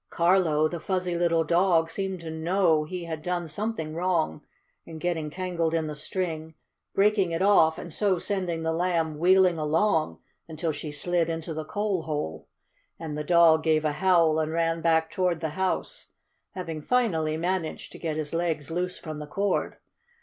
Carlo, the fuzzy little dog, seemed to know he had done something wrong in getting tangled in the string, breaking it off, and so sending the Lamb wheeling along until she slid into the coal hole. And the dog gave a howl and ran back toward the house, having finally managed to get his legs loose from the cord.